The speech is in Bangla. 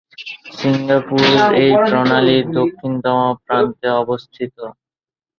সিঙ্গাপুর এই প্রণালীর দক্ষিণতম প্রান্তে অবস্থিত।